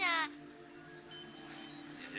ya lu atur aja deh